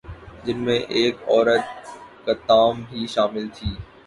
"جن میں ایک عورت "قطام" بھی شامل تھی"